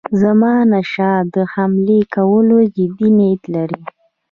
زمانشاه د حملې کولو جدي نیت لري.